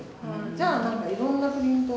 じゃあ何かいろんなプリントを。